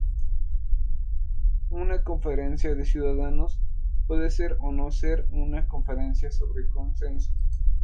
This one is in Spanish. Una "conferencia de ciudadanos" puede ser o no una "conferencia de consenso".